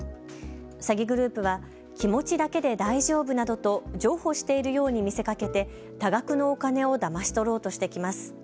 詐欺グループは気持ちだけで大丈夫などと譲歩しているように見せかけて多額のお金をだまし取ろうとしてきます。